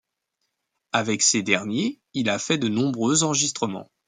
Avec ces derniers il a fait de nombreux enregistrements.